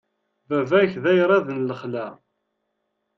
Baba-k d ayrad n lexla.